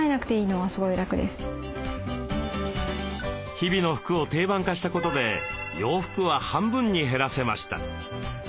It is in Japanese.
日々の服を定番化したことで洋服は半分に減らせました。